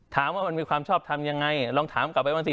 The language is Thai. ถามว่ามันมีความชอบทำยังไงลองถามกลับไปบ้างสิ